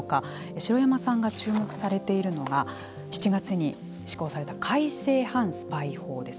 城山さんが注目されているのは７月に施行された改正反スパイ法です。